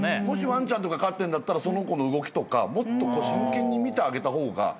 もしワンちゃんとか飼ってるならその子の動きとかもっと真剣に見てあげた方が。